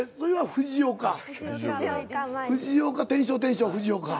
藤岡天翔天翔藤岡。